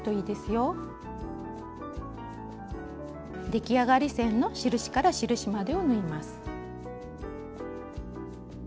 出来上がり線の印から印までを縫います。